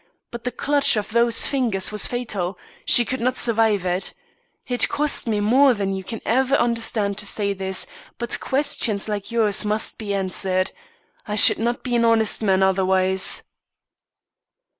But the clutch of those fingers was fatal; she could not survive it. It costs me more than you can ever understand to say this, but questions like yours must be answered. I should not be an honest man otherwise."